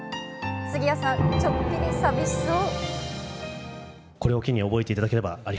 杉谷さん、ちょっぴりさびしそう。